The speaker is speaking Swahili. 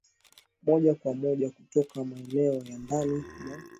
moja kwa moja kutoka maeneo ya ndani mwa